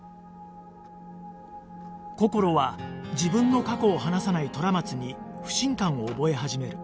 こころは自分の過去を話さない虎松に不信感を覚え始める